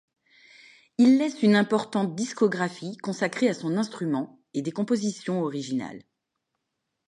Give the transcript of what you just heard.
Il laisse une importante discographie consacrée à son instrument et des compositions originales.